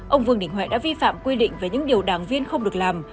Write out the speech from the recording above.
ông vương đình huệ đã vi phạm quy định về những điều đảng viên không được làm